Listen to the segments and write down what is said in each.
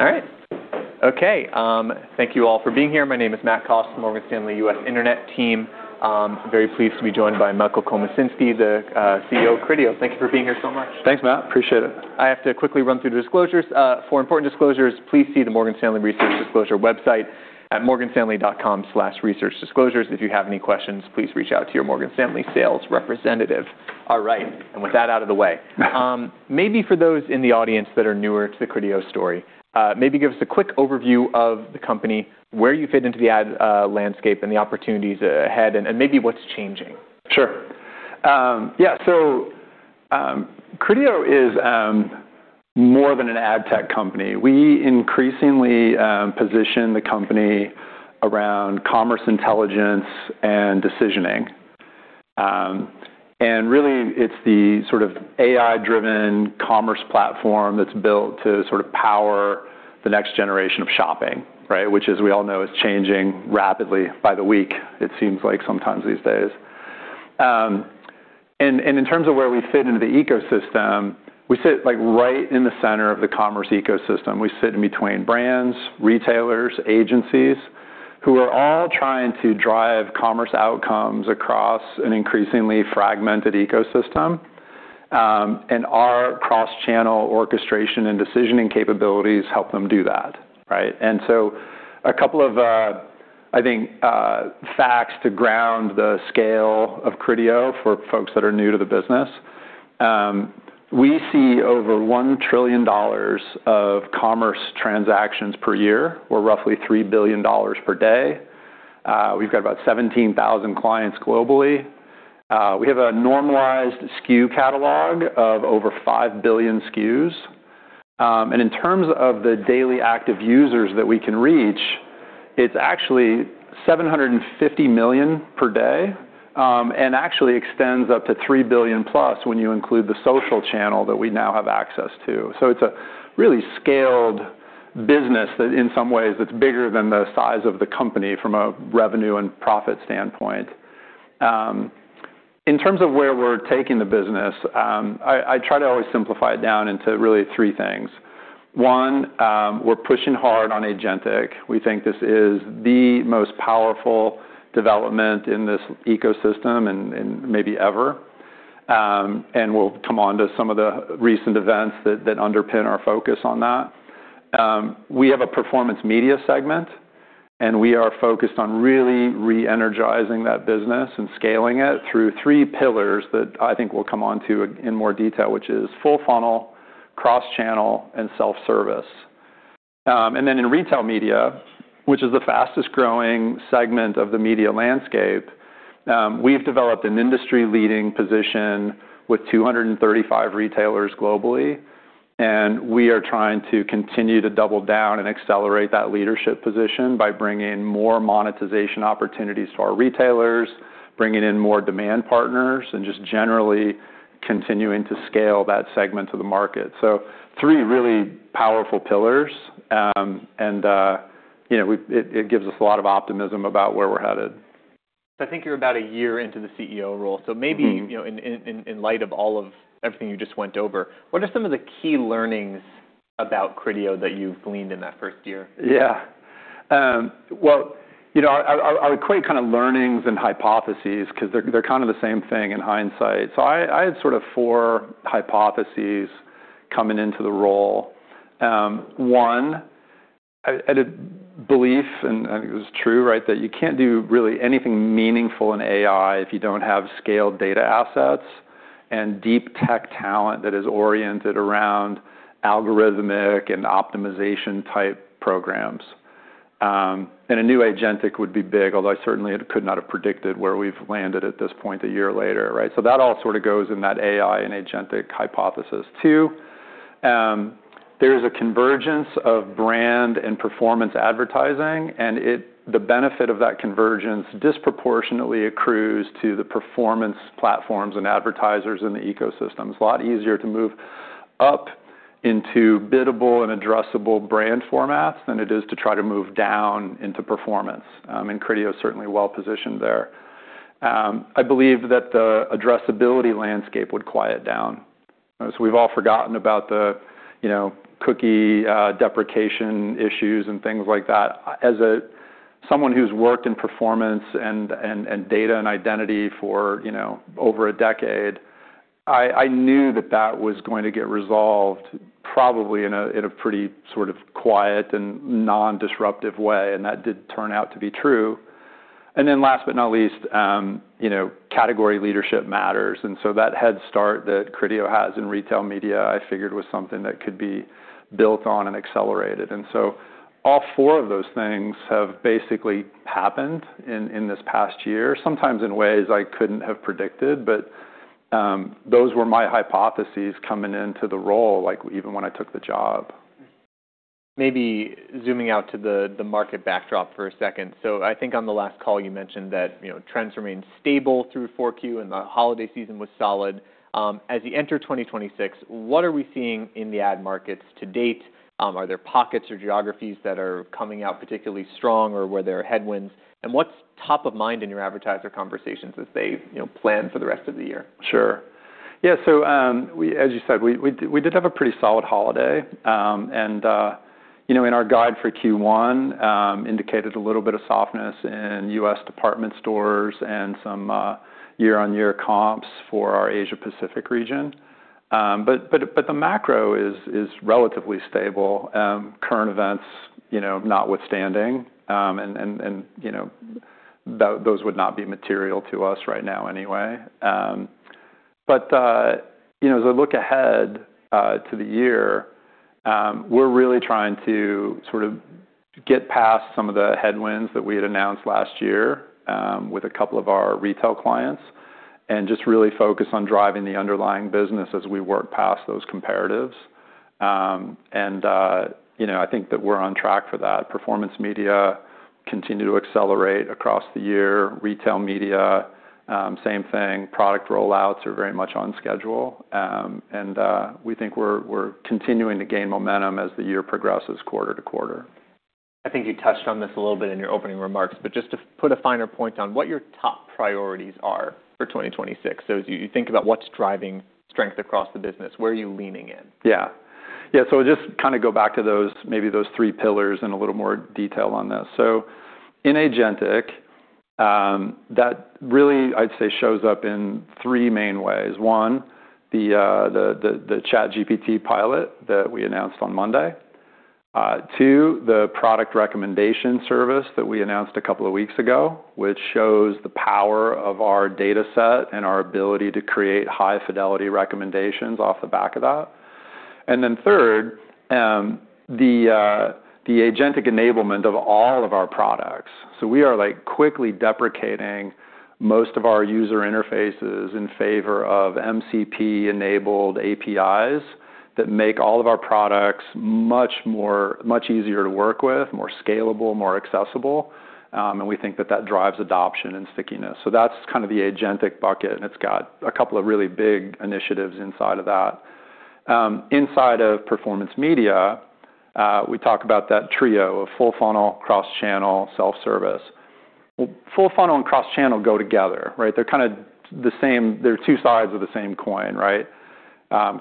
All right. Okay. Thank you all for being here. My name is Matt Cost, Morgan Stanley US Internet team. Very pleased to be joined by Michael Komasinski, the CEO of Criteo. Thank you for being here so much. Thanks, Matt. Appreciate it. I have to quickly run through the disclosures. For important disclosures, please see the Morgan Stanley research disclosure website at morganstanley.com/researchdisclosures. If you have any questions, please reach out to your Morgan Stanley sales representative. All right. With that out of the way, maybe for those in the audience that are newer to the Criteo story, maybe give us a quick overview of the company, where you fit into the ad landscape and the opportunities ahead and maybe what's changing? Sure. Yeah. Criteo is more than an ad tech company. We increasingly position the company around commerce intelligence and decisioning. Really, it's the sort of AI-driven commerce platform that's built to sort of power the next generation of shopping, right? Which, as we all know, is changing rapidly by the week, it seems like sometimes these days. In terms of where we fit into the ecosystem, we sit, like, right in the center of the commerce ecosystem. We sit in between brands, retailers, agencies, who are all trying to drive commerce outcomes across an increasingly fragmented ecosystem, and our cross-channel orchestration and decisioning capabilities help them do that, right? A couple of, I think, facts to ground the scale of Criteo for folks that are new to the business. We see over $1 trillion of commerce transactions per year, or roughly $3 billion per day. We've got about 17,000 clients globally. We have a normalized SKU catalog of over 5 billion SKUs. And in terms of the daily active users that we can reach, it's actually 750 million per day, and actually extends up to 3 billion+ when you include the social channel that we now have access to. It's a really scaled business that in some ways it's bigger than the size of the company from a revenue and profit standpoint. In terms of where we're taking the business, I try to always simplify it down into really three things. One, we're pushing hard on agentic. We think this is the most powerful development in this ecosystem and maybe ever. We'll come on to some of the recent events that underpin our focus on that. We have a performance media segment, and we are focused on really re-energizing that business and scaling it through three pillars that I think we'll come onto in more detail, which is full funnel, cross-channel, and self-service. Then in retail media, which is the fastest-growing segment of the media landscape, we've developed an industry-leading position with 235 retailers globally, and we are trying to continue to double down and accelerate that leadership position by bringing more monetization opportunities to our retailers, bringing in more demand partners, and just generally continuing to scale that segment to the market. Three really powerful pillars, and, you know, it gives us a lot of optimism about where we're headed. I think you're about a year into the CEO role. Mm-hmm. Maybe, you know, in light of all of everything you just went over, what are some of the key learnings about Criteo that you've gleaned in that first year? Yeah. Well, you know, I would equate kind of learnings and hypotheses because they're kind of the same thing in hindsight. I had sort of four hypotheses coming into the role. One, I had a belief, and I think it was true, right, that you can't do really anything meaningful in AI if you don't have scaled data assets and deep tech talent that is oriented around algorithmic and optimization-type programs. A new agentic would be big, although I certainly could not have predicted where we've landed at this point a year later, right? That all sort of goes in that AI and agentic hypothesis. Two, there's a convergence of brand and performance advertising, the benefit of that convergence disproportionately accrues to the performance platforms and advertisers in the ecosystems. A lot easier to move up into biddable and addressable brand formats than it is to try to move down into performance. Criteo is certainly well-positioned there. I believe that the addressability landscape would quiet down. As we've all forgotten about the, you know, cookie deprecation issues and things like that. As a someone who's worked in performance and data and identity for, you know, over a decade, I knew that was going to get resolved probably in a pretty sort of quiet and non-disruptive way, and that did turn out to be true. Last but not least, you know, category leadership matters. that head start that Criteo has in retail media, I figured was something that could be built on and accelerated. All four of those things have basically happened in this past year, sometimes in ways I couldn't have predicted. Those were my hypotheses coming into the role, like even when I took the job. Maybe zooming out to the market backdrop for a second. I think on the last call you mentioned that, you know, trends remain stable through Q4 and the holiday season was solid. As you enter 2026, what are we seeing in the ad markets to date? Are there pockets or geographies that are coming out particularly strong or where there are headwinds? What's top of mind in your advertiser conversations as they, you know, plan for the rest of the year? Sure. Yeah. As you said, we did have a pretty solid holiday, you know, in our guide for Q1 indicated a little bit of softness in U.S. department stores and some year-on-year comps for our Asia Pacific region. But the macro is relatively stable, current events, you know, notwithstanding, and, you know, those would not be material to us right now anyway. But, you know, as I look ahead to the year, we're really trying to sort of get past some of the headwinds that we had announced last year with a couple of our retail clients and just really focus on driving the underlying business as we work past those comparatives. And, you know, I think that we're on track for that. Performance media continue to accelerate across the year. Retail media, same thing. Product rollouts are very much on schedule. We think we're continuing to gain momentum as the year progresses quarter to quarter. I think you touched on this a little bit in your opening remarks, but just to put a finer point on what your top priorities are for 2026. As you think about what's driving strength across the business, where are you leaning in? Just kind of go back to those, maybe those three pillars in a little more detail on those. In agentic, that really I'd say shows up in three main ways. One, the ChatGPT pilot that we announced on Monday. Two, the product recommendation service that we announced a couple of weeks ago, which shows the power of our data set and our ability to create high-fidelity recommendations off the back of that. Third, the agentic enablement of all of our products. We are, like, quickly deprecating most of our user interfaces in favor of MCP-enabled APIs that make all of our products much easier to work with, more scalable, more accessible, and we think that that drives adoption and stickiness. That's kind of the agentic bucket, and it's got a couple of really big initiatives inside of that. Inside of performance media, we talk about that trio of full funnel, cross-channel, self-service. Full funnel and cross-channel go together, right? They're two sides of the same coin, right?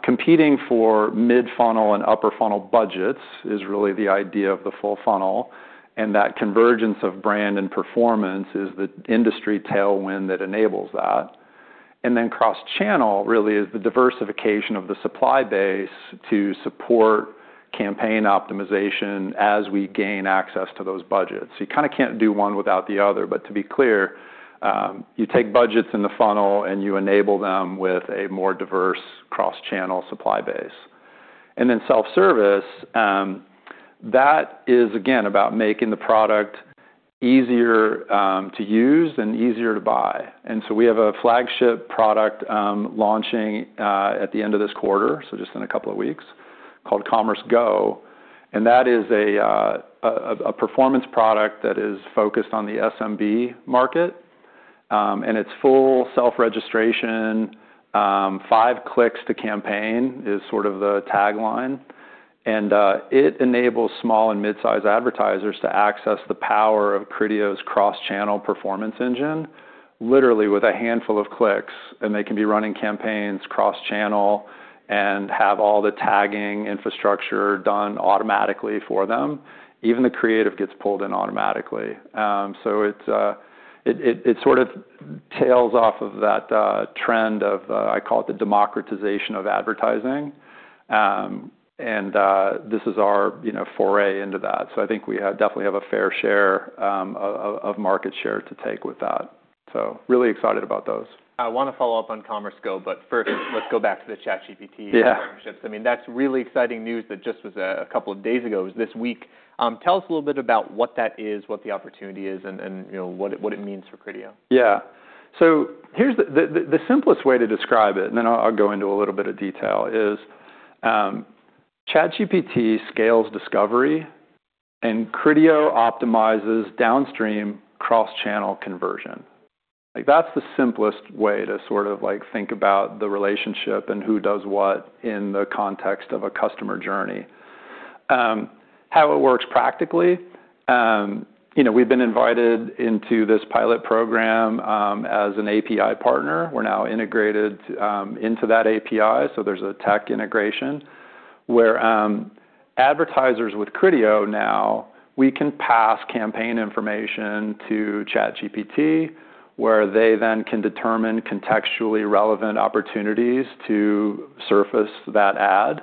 Competing for mid-funnel and upper funnel budgets is really the idea of the full funnel, and that convergence of brand and performance is the industry tailwind that enables that. Cross-channel really is the diversification of the supply base to support campaign optimization as we gain access to those budgets. You kind of can't do one without the other. To be clear, you take budgets in the funnel, and you enable them with a more diverse cross-channel supply base. Self-service, that is again about making the product easier to use and easier to buy. We have a flagship product launching at the end of this quarter, so just in a couple of weeks, called Commerce Go, and that is a performance product that is focused on the SMB market, and it's full self-registration. Five clicks to campaign is sort of the tagline. It enables small and mid-size advertisers to access the power of Criteo's cross-channel performance engine literally with a handful of clicks, and they can be running campaigns cross-channel and have all the tagging infrastructure done automatically for them. Even the creative gets pulled in automatically. It sort of tails off of that trend of I call it the democratization of advertising. This is our, you know, foray into that. I think we definitely have a fair share of market share to take with that. Really excited about those. I want to follow up on Commerce Go, but first let's go back to the ChatGPT... Yeah. partnerships. I mean, that's really exciting news that just was a couple of days ago. It was this week. Tell us a little bit about what that is, what the opportunity is, and you know, what it means for Criteo? Yeah. Here's the simplest way to describe it, and then I'll go into a little bit of detail, is ChatGPT scales discovery and Criteo optimizes downstream cross-channel conversion. Like, that's the simplest way to sort of like think about the relationship and who does what in the context of a customer journey. How it works practically, you know, we've been invited into this pilot program as an API partner. We're now integrated into that API, there's a tech integration where advertisers with Criteo now, we can pass campaign information to ChatGPT, where they then can determine contextually relevant opportunities to surface that ad.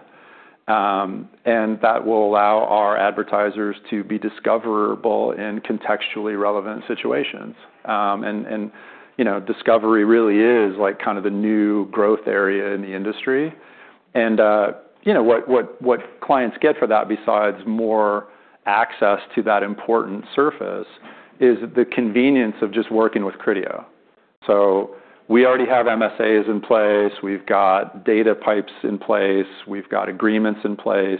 That will allow our advertisers to be discoverable in contextually relevant situations. You know, discovery really is like kind of the new growth area in the industry. You know, what clients get for that besides more access to that important surface is the convenience of just working with Criteo. We already have MSAs in place. We've got data pipes in place. We've got agreements in place.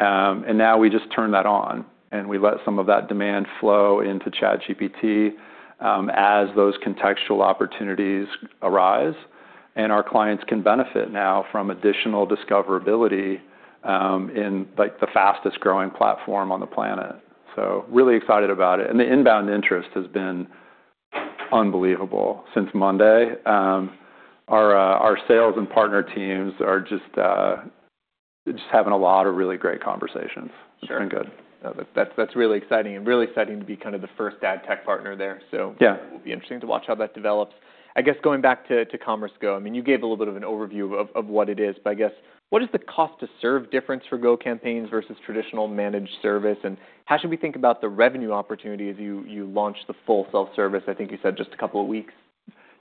Now we just turn that on, and we let some of that demand flow into ChatGPT as those contextual opportunities arise. Our clients can benefit now from additional discoverability. In, like, the fastest-growing platform on the planet. Really excited about it. The inbound interest has been unbelievable since Monday. Our sales and partner teams are just having a lot of really great conversations. Sure. It's been good. No, that's really exciting to be kind of the first ad tech partner there. Yeah. It will be interesting to watch how that develops. I guess going back to Commerce Go, I mean, you gave a little bit of an overview of what it is, but I guess, what is the cost to serve difference for Go campaigns versus traditional managed service? How should we think about the revenue opportunity as you launch the full self-service, I think you said just a couple of weeks?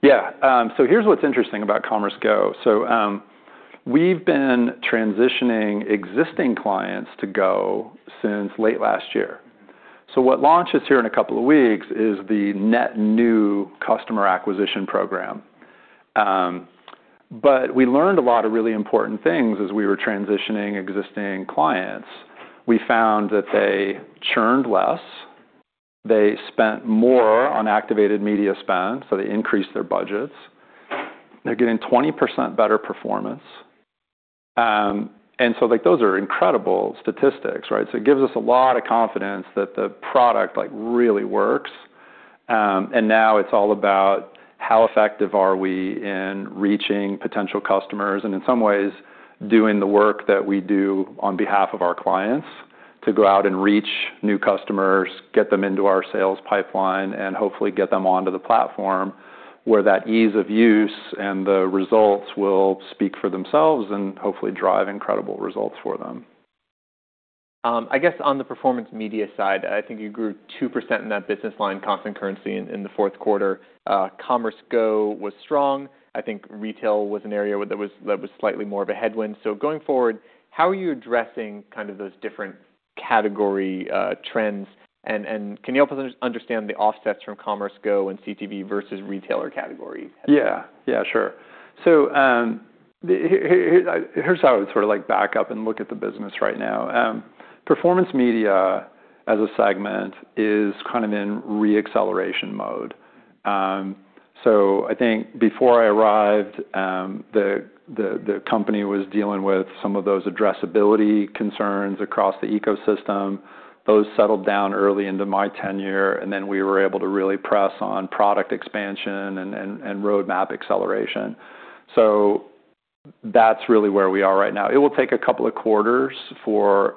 Yeah. Here's what's interesting about Commerce Go. We've been transitioning existing clients to Go since late last year. What launches here in a couple of weeks is the net new customer acquisition program. We learned a lot of really important things as we were transitioning existing clients. We found that they churned less, they spent more on activated media spend, so they increased their budgets. They're getting 20% better performance. Like, those are incredible statistics, right? It gives us a lot of confidence that the product, like, really works. Now it's all about how effective are we in reaching potential customers, and in some ways, doing the work that we do on behalf of our clients to go out and reach new customers, get them into our sales pipeline, and hopefully get them onto the platform where that ease of use and the results will speak for themselves and hopefully drive incredible results for them. I guess on the performance media side, I think you grew 2% in that business line, constant currency in the fourth quarter. Commerce Go was strong. I think retail was an area where that was slightly more of a headwind. Going forward, how are you addressing kind of those different category trends? Can you help us understand the offsets from Commerce Go and CTV versus retailer category? Yeah. Yeah, sure. Here's how I would sort of like back up and look at the business right now. Performance media as a segment is kind of in re-acceleration mode. I think before I arrived, the company was dealing with some of those addressability concerns across the ecosystem. Those settled down early into my tenure, we were able to really press on product expansion and roadmap acceleration. That's really where we are right now. It will take a couple of quarters for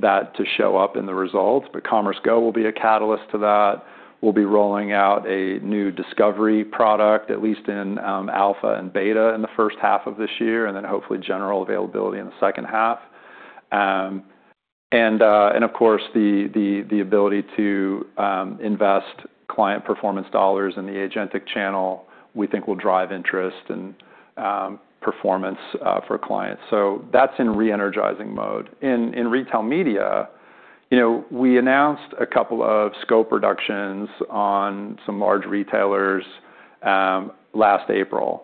that to show up in the results, but Commerce Go will be a catalyst to that. We'll be rolling out a new discovery product, at least in alpha and beta in the first half of this year, hopefully general availability in the second half. Of course, the ability to invest client performance dollars in the agentic channel, we think will drive interest and performance for clients. That's in re-energizing mode. In retail media, you know, we announced a couple of scope reductions on some large retailers last April.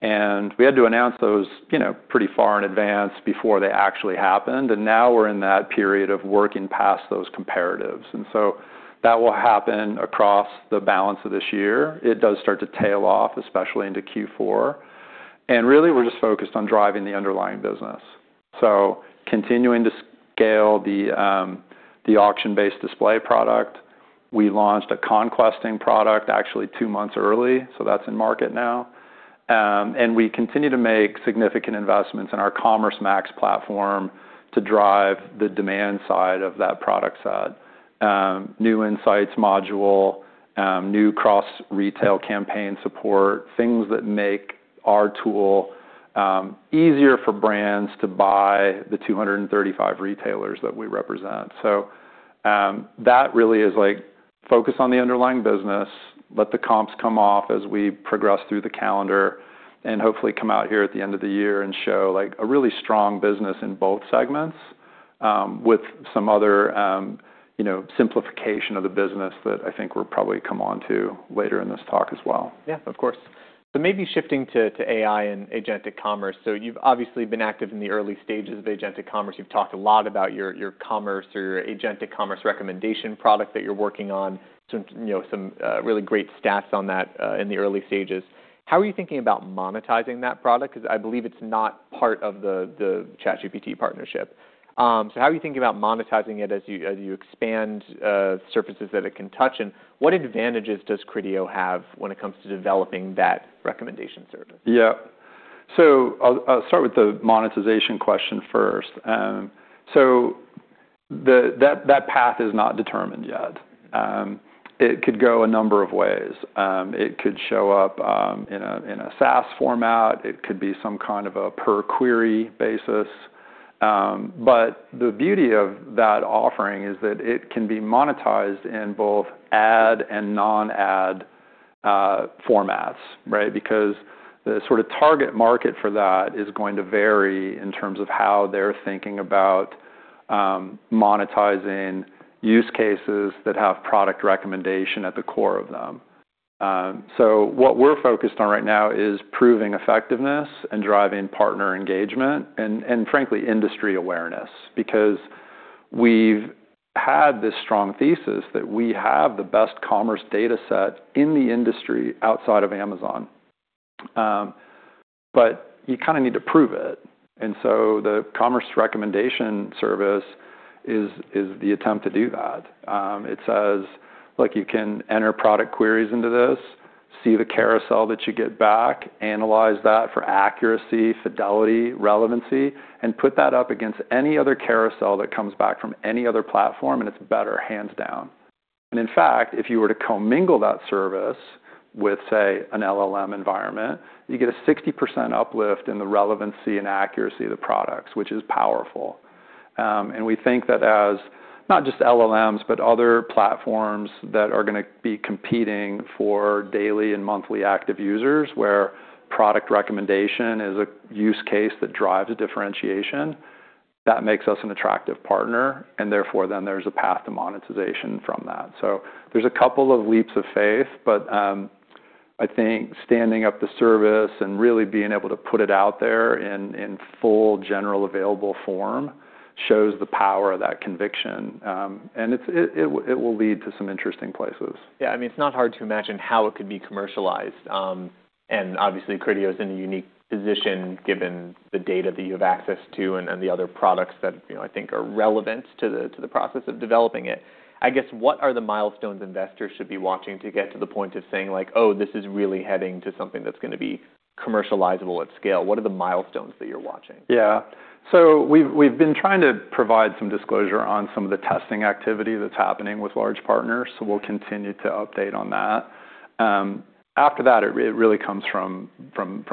We had to announce those, you know, pretty far in advance before they actually happened. Now we're in that period of working past those comparatives. That will happen across the balance of this year. It does start to tail off, especially into Q4. Really, we're just focused on driving the underlying business. Continuing to scale the auction-based display product. We launched a conquesting product actually two months early, so that's in market now. We continue to make significant investments in our Commerce Max platform to drive the demand side of that product set. New insights module, new cross-retail campaign support, things that make our tool easier for brands to buy the 235 retailers that we represent. That really is like focus on the underlying business, let the comps come off as we progress through the calendar, and hopefully come out here at the end of the year and show, like, a really strong business in both segments, with some other, you know, simplification of the business that I think we'll probably come onto later in this talk as well. Yeah, of course. Maybe shifting to AI and agentic commerce. You've obviously been active in the early stages of agentic commerce. You've talked a lot about your commerce or your agentic commerce recommendation product that you're working on. Some, you know, some really great stats on that in the early stages. How are you thinking about monetizing that product? 'Cause I believe it's not part of the ChatGPT partnership. How are you thinking about monetizing it as you expand surfaces that it can touch? And what advantages does Criteo have when it comes to developing that recommendation service? I'll start with the monetization question first. That path is not determined yet. It could go a number of ways. It could show up in a SaaS format. It could be some kind of a per query basis. The beauty of that offering is that it can be monetized in both ad and non-ad formats, right? Because the sort of target market for that is going to vary in terms of how they're thinking about monetizing use cases that have product recommendation at the core of them. What we're focused on right now is proving effectiveness and driving partner engagement and frankly, industry awareness. We've had this strong thesis that we have the best commerce data set in the industry outside of Amazon. You kind of need to prove it. The commerce recommendation service is the attempt to do that. It says, look, you can enter product queries into this, see the carousel that you get back, analyze that for accuracy, fidelity, relevancy, put that up against any other carousel that comes back from any other platform, and it's better hands down. In fact, if you were to commingle that service with, say, an LLM environment, you get a 60% uplift in the relevancy and accuracy of the products, which is powerful. We think that as not just LLMs, but other platforms that are gonna be competing for daily and monthly active users, where product recommendation is a use case that drives a differentiation, that makes us an attractive partner, therefore then there's a path to monetization from that. There's 2 leaps of faith, but, I think standing up the service and really being able to put it out there in full general available form shows the power of that conviction. It will lead to some interesting places. Yeah. I mean, it's not hard to imagine how it could be commercialized. Obviously, Criteo is in a unique position given the data that you have access to and the other products that, you know, I think are relevant to the process of developing it. I guess, what are the milestones investors should be watching to get to the point of saying like, "Oh, this is really heading to something that's gonna be commercializable at scale"? What are the milestones that you're watching? Yeah. We've been trying to provide some disclosure on some of the testing activity that's happening with large partners, so we'll continue to update on that. After that, it really comes from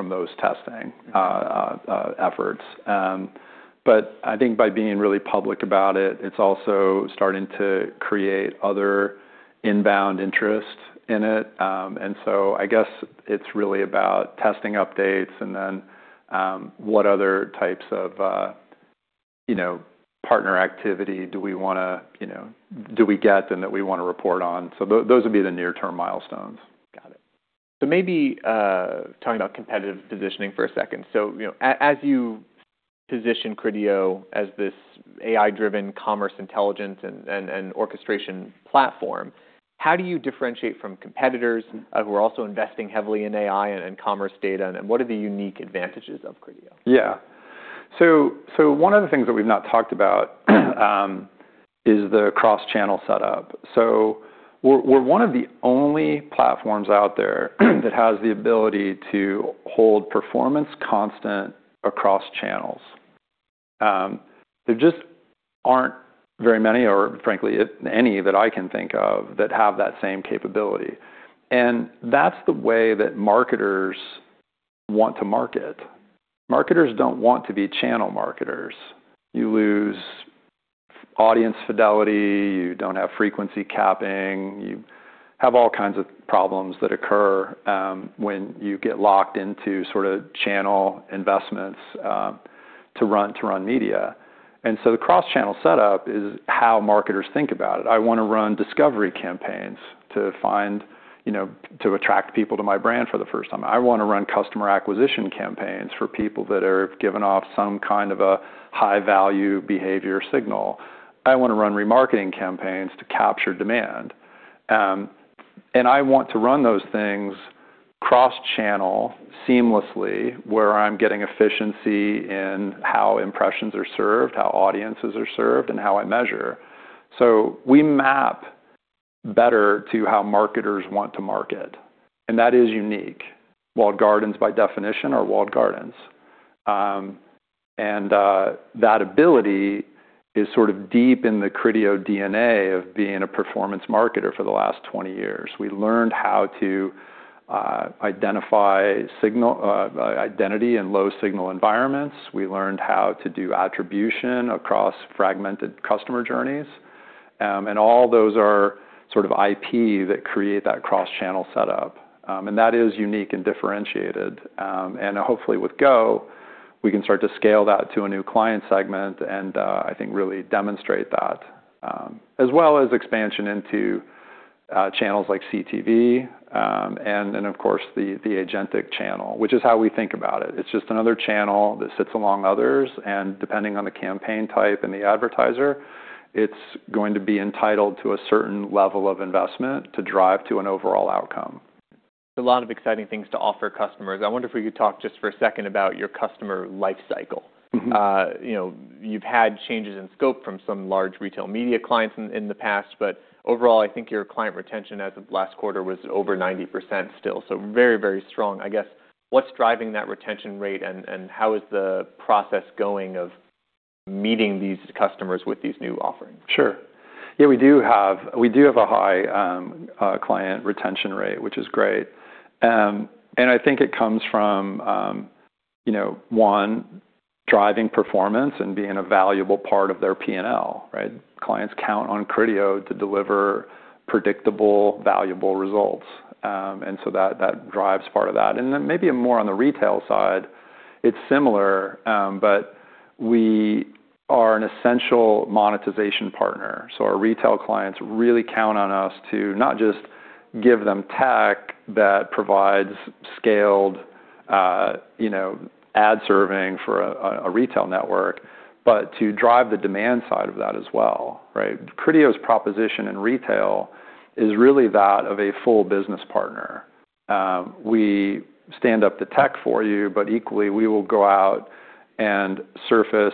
those testing efforts. I think by being really public about it's also starting to create other inbound interest in it. I guess it's really about testing updates and then what other types of, you know, partner activity do we wanna, you know, do we get and that we wanna report on. Those would be the near term milestones. Got it. Maybe, talking about competitive positioning for a second. You know, as you position Criteo as this AI-driven commerce intelligence and orchestration platform, how do you differentiate from competitors, who are also investing heavily in AI and in commerce data? What are the unique advantages of Criteo? One of the things that we've not talked about is the cross-channel setup. We're one of the only platforms out there that has the ability to hold performance constant across channels. There just aren't very many or frankly any that I can think of that have that same capability. That's the way that marketers want to market. Marketers don't want to be channel marketers. You lose audience fidelity, you don't have frequency capping, you have all kinds of problems that occur when you get locked into sort of channel investments to run media. The cross-channel setup is how marketers think about it. I wanna run discovery campaigns to find, you know, to attract people to my brand for the first time. I wanna run customer acquisition campaigns for people that are giving off some kind of a high-value behavior signal. I wanna run remarketing campaigns to capture demand. I want to run those things cross-channel seamlessly, where I'm getting efficiency in how impressions are served, how audiences are served, and how I measure. We map better to how marketers want to market, and that is unique. Walled gardens by definition are walled gardens. That ability is sort of deep in the Criteo DNA of being a performance marketer for the last 20 years. We learned how to identify identity in low signal environments. We learned how to do attribution across fragmented customer journeys. All those are sort of IP that create that cross-channel setup. That is unique and differentiated. Hopefully with Go, we can start to scale that to a new client segment and I think really demonstrate that, as well as expansion into channels like CTV, and then of course the agentic channel, which is how we think about it. It's just another channel that sits among others, and depending on the campaign type and the advertiser, it's going to be entitled to a certain level of investment to drive to an overall outcome. A lot of exciting things to offer customers. I wonder if we could talk just for a second about your customer life cycle. Mm-hmm. You know, you've had changes in scope from some large retail media clients in the past, but overall, I think your client retention as of last quarter was over 90% still. Very, very strong. I guess, what's driving that retention rate and how is the process going of meeting these customers with these new offerings? Sure. Yeah, we do have a high client retention rate, which is great. I think it comes from, you know, one, driving performance and being a valuable part of their P&L, right? Clients count on Criteo to deliver predictable, valuable results. That drives part of that. Maybe more on the retail side, it's similar, but we are an essential monetization partner. Our retail clients really count on us to not just give them tech that provides scaled, you know, ad serving for a retail network, but to drive the demand side of that as well, right? Criteo's proposition in retail is really that of a full business partner. We stand up the tech for you, but equally, we will go out and surface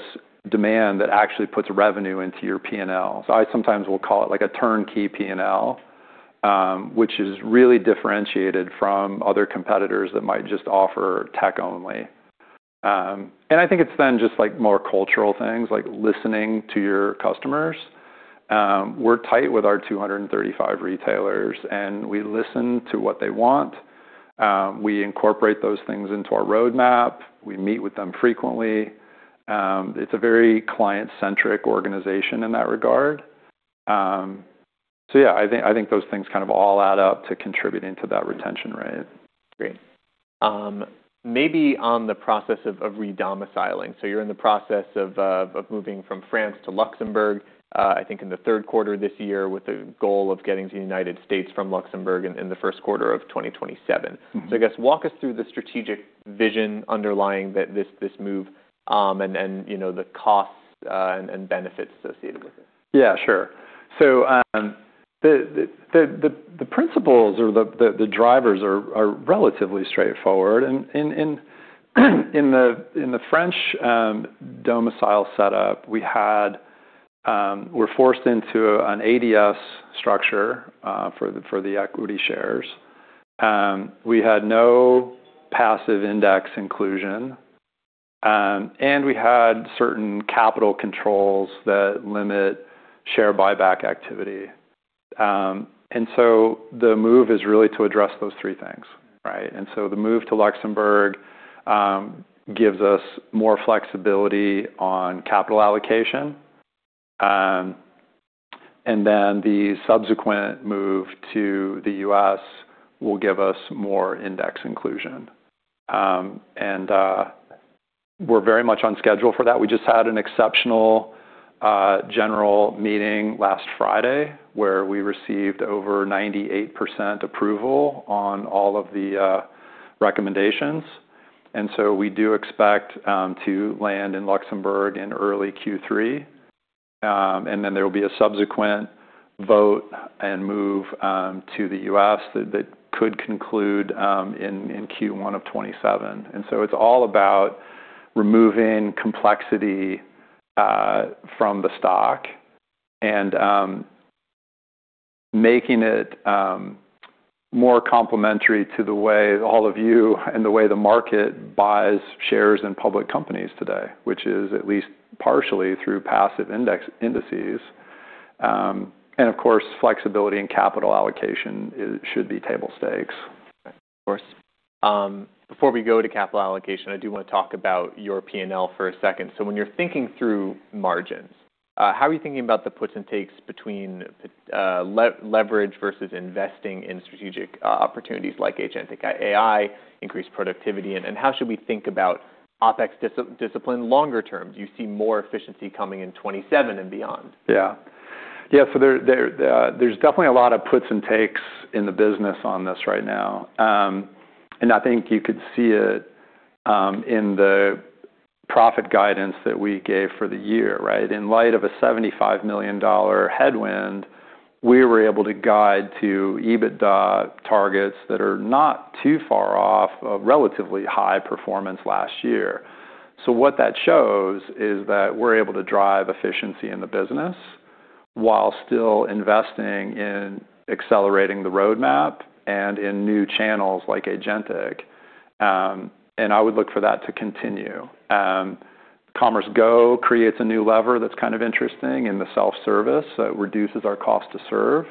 demand that actually puts revenue into your P&L. I sometimes will call it like a turnkey P&L, which is really differentiated from other competitors that might just offer tech only. I think it's then just like more cultural things, like listening to your customers. We're tight with our 235 retailers, and we listen to what they want. We incorporate those things into our roadmap. We meet with them frequently. It's a very client-centric organization in that regard. Yeah. I think those things kind of all add up to contributing to that retention rate. Great. Maybe on the process of re-domiciling. You're in the process of moving from France to Luxembourg, I think in the third quarter this year, with the goal of getting to the United States from Luxembourg in the first quarter of 2027. Mm-hmm. I guess walk us through the strategic vision underlying this move, and, you know, the costs, and benefits associated with it. Yeah, sure. The principles or the drivers are relatively straightforward. In the French domicile setup, we're forced into an ADS structure for the equity shares. We had no passive index inclusion, and we had certain capital controls that limit share buyback activity. The move is really to address those three things, right? The move to Luxembourg gives us more flexibility on capital allocation, and then the subsequent move to the US will give us more index inclusion. We're very much on schedule for that. We just had an exceptional general meeting last Friday, where we received over 98% approval on all of the recommendations. We do expect to land in Luxembourg in early Q3, and then there will be a subsequent vote and move to the U.S. that could conclude in Q1 of 2027. It's all about removing complexity from the stock and making it more complementary to the way all of you and the way the market buys shares in public companies today, which is at least partially through passive indices. Of course, flexibility in capital allocation should be table stakes. Of course. Before we go to capital allocation, I do wanna talk about your P&L for a second. When you're thinking through margins, how are you thinking about the puts and takes between leverage versus investing in strategic opportunities like agentic AI, increased productivity? How should we think about OpEx discipline longer term? Do you see more efficiency coming in 2027 and beyond? There's definitely a lot of puts and takes in the business on this right now. I think you could see it in the profit guidance that we gave for the year, right? In light of a $75 million headwind, we were able to guide to EBITDA targets that are not too far off a relatively high performance last year. What that shows is that we're able to drive efficiency in the business while still investing in accelerating the roadmap and in new channels like agentic. I would look for that to continue. Commerce Go creates a new lever that's kind of interesting in the self-service that reduces our cost to serve.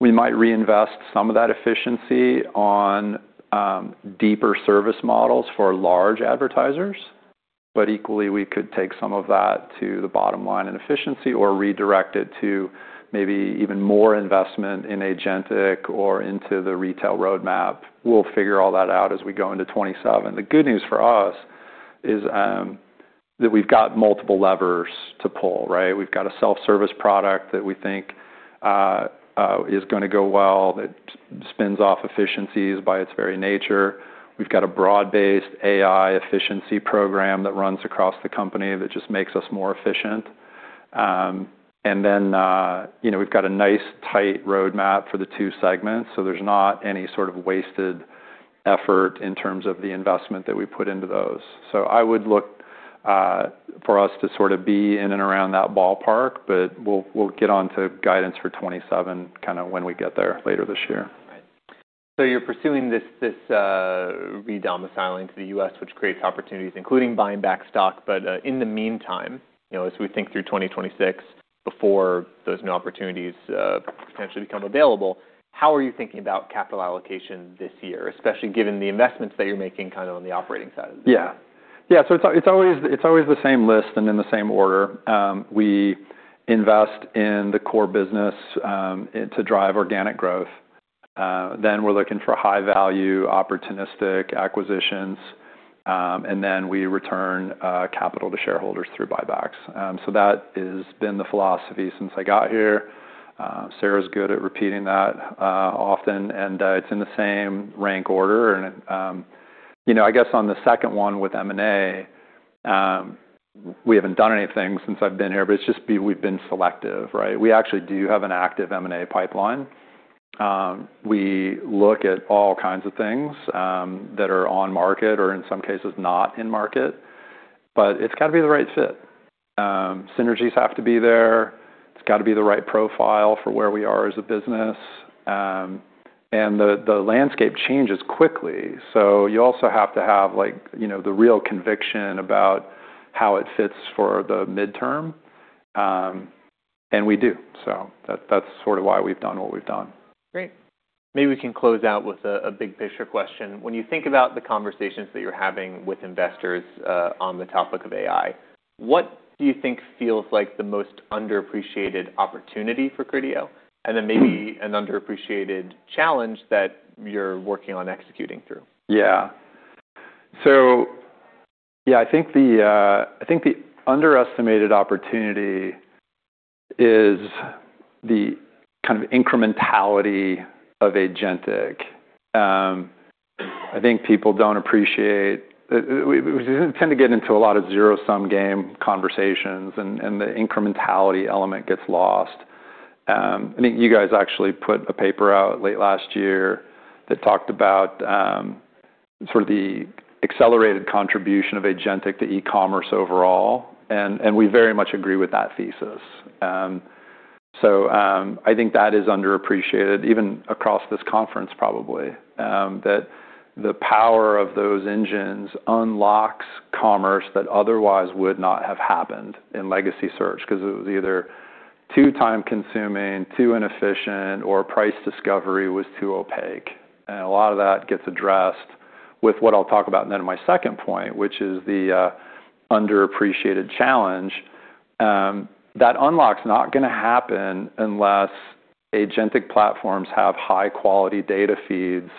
We might reinvest some of that efficiency on deeper service models for large advertisers. Equally, we could take some of that to the bottom line in efficiency or redirect it to maybe even more investment in agentic or into the retail roadmap. We'll figure all that out as we go into 2027. The good news for us is that we've got multiple levers to pull, right? We've got a self-service product that we think is gonna go well, that spins off efficiencies by its very nature. We've got a broad-based AI efficiency program that runs across the company that just makes us more efficient. Then, you know, we've got a nice tight roadmap for the two segments, so there's not any sort of wasted effort in terms of the investment that we put into those. I would look for us to sort of be in and around that ballpark, but we'll get onto guidance for 2027 kind of when we get there later this year. Right. You're pursuing this re-domiciling to the US, which creates opportunities, including buying back stock. In the meantime, you know, as we think through 2026 before those new opportunities potentially become available, how are you thinking about capital allocation this year, especially given the investments that you're making kind of on the operating side of the business? It's always the same list and in the same order. We invest in the core business to drive organic growth, then we're looking for high-value opportunistic acquisitions. Then we return capital to shareholders through buybacks. That has been the philosophy since I got here. Sarah's good at repeating that often, it's in the same rank order. You know, I guess on the second one with M&A, we haven't done anything since I've been here, it's just we've been selective, right? We actually do have an active M&A pipeline. We look at all kinds of things that are on market or in some cases not in market, it's gotta be the right fit. Synergies have to be there. It's gotta be the right profile for where we are as a business. The landscape changes quickly, so you also have to have, like, you know, the real conviction about how it fits for the midterm, and we do. That's sort of why we've done what we've done. Great. Maybe we can close out with a big picture question. When you think about the conversations that you're having with investors on the topic of AI, what do you think feels like the most underappreciated opportunity for Criteo, and then maybe an underappreciated challenge that you're working on executing through? Yeah. Yeah, I think the, I think the underestimated opportunity is the kind of incrementality of agentic. I think people don't appreciate. We tend to get into a lot of zero-sum game conversations and the incrementality element gets lost. I think you guys actually put a paper out late last year that talked about sort of the accelerated contribution of agentic to e-commerce overall, and we very much agree with that thesis. I think that is underappreciated even across this conference probably, that the power of those engines unlocks commerce that otherwise would not have happened in legacy search 'cause it was either too time-consuming, too inefficient, or price discovery was too opaque. A lot of that gets addressed with what I'll talk about then in my second point, which is the underappreciated challenge. That unlock's not gonna happen unless agentic platforms have high quality data feeds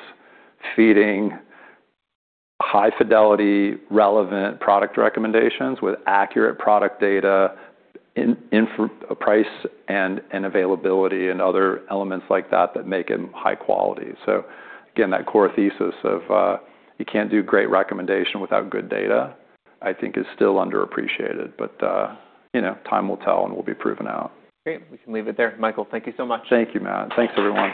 feeding high fidelity relevant product recommendations with accurate product data in price and availability and other elements like that that make it high quality. Again, that core thesis of, you can't do great recommendation without good data, I think is still underappreciated. You know, time will tell, and we'll be proven out. Great. We can leave it there. Michael, thank you so much. Thank you, Matt. Thanks everyone.